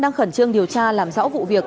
đang khẩn trương điều tra làm rõ vụ việc